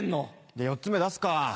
じゃ４つ目出すか。